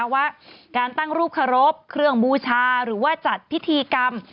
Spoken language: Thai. ว่าการตั้งรูปเคารพเครื่องบูชาหรือว่าจัดพิธีกรรม